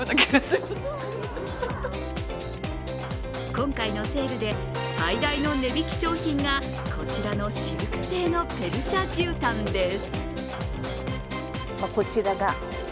今回のセールで最大の値引き商品が、こちらのシルク製のペルシャじゅうたんです。